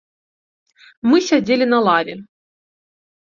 Мы сядзелі на лаве.